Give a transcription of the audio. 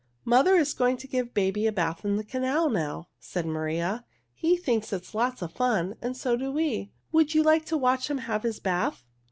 "Mother is going to give baby a bath in the canal now," said Maria. "He thinks it is lots of fun and so do we. Would you like to watch him have his bath?"